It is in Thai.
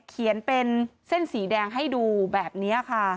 เขียนเป็นเส้นสีแดงให้ดูแบบนี้ค่ะ